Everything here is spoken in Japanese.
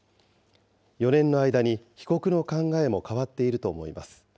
４年の間に被告の考えも変わっていると思います。